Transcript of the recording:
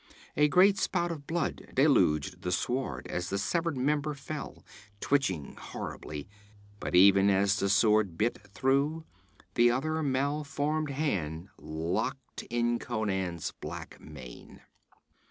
A great spout of blood deluged the sward as the severed member fell, twitching horribly, but even as the sword bit through, the other malformed hand locked in Conan's black mane.